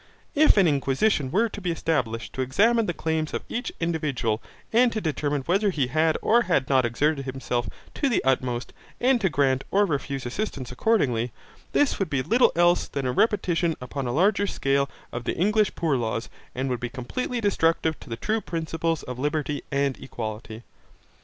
If an inquisition were to be established to examine the claims of each individual and to determine whether he had or had not exerted himself to the utmost, and to grant or refuse assistance accordingly, this would be little else than a repetition upon a larger scale of the English poor laws and would be completely destructive of the true principles of liberty and equality.